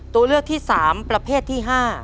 ตัวเลือกที่๓ประเภทที่๕